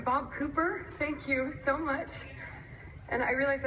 ขอบคุณที่สนับสนุนเธอครับ